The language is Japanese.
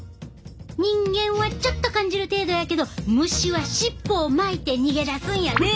人間はちょっと感じる程度やけど虫は尻尾を巻いて逃げ出すんやで！